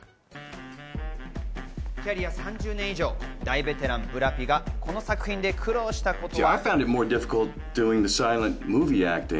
キャリア３０年以上、大ベテラン、ブラピがこの作品で苦労したことは。